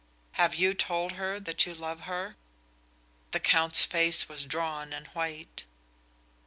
Have you told her that you love her?" The Count's face was drawn and white.